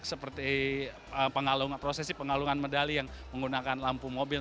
seperti prosesi pengalungan medali yang menggunakan lampu mobil